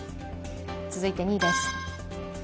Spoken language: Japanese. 続いて２位です。